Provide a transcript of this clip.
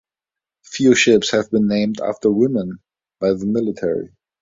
Few ships have been named after women by the military.